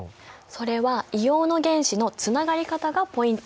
それは硫黄の原子のつながり方がポイント！